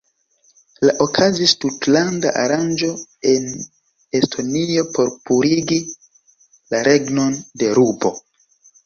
La okazis tutlanda aranĝo en Estonio por purigi la regnon de rubo.